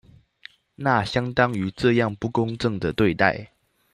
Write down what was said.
那相對於這樣不公正的對待